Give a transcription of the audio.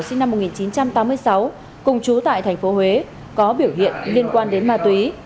sinh năm một nghìn chín trăm tám mươi sáu cùng trú tại thành phố huế có biểu hiện liên quan đến ma túy